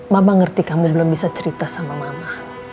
mama ngerti kamu belum bisa cerita sama mama